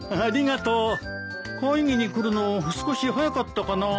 会議に来るの少し早かったかな。